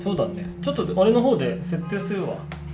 ちょっと俺の方で設定するわ。